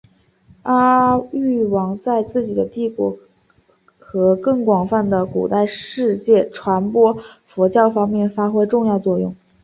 阿育王在自己的帝国和更广泛的古代世界传播佛教方面发挥了重要作用。